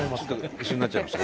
一緒になっちゃいました。